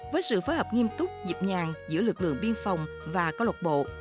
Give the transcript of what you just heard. với sự phối hợp nghiêm túc dịp nhàng giữa lực lượng biên phòng và cô lộc bộ